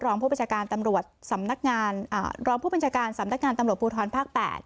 ผู้บัญชาการตำรวจสำนักงานรองผู้บัญชาการสำนักงานตำรวจภูทรภาค๘